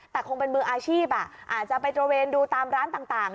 แต่คงเป็นมืออาชีพอาจจะไปตระเวนดูตามร้านต่าง